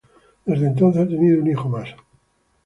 Desde entonces ha tenido un hijo más.